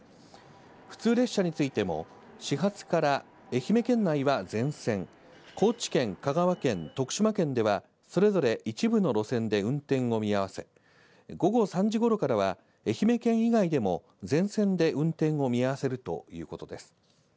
普通列車についても、始発から愛媛県内は全線、高知県、香川県、徳島県ではそれぞれ一部の路線で運転を見合わせ、午後３時頃からは、愛媛県以外でも全線で運転を見合わせるということです。